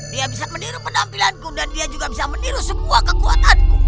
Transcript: dia bisa meniru penampilanku dan dia juga bisa meniru semua kekuatanku